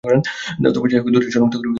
তবে যাইহোক, দুটি শনাক্তকারী সম্পূর্ণ আলাদা।